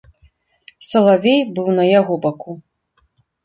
Салавей быў на яго баку.